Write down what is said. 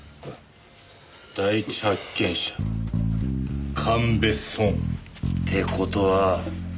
第一発見者神戸尊。って事は。